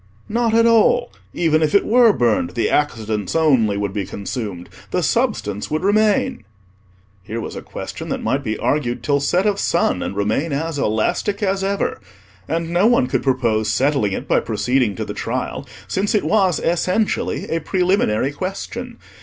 "Not at all: even if it were burned, the Accidents only would be consumed, the Substance would remain." Here was a question that might be argued till set of sun and remain as elastic as ever; and no one could propose settling it by proceeding to the trial, since it was essentially a preliminary question.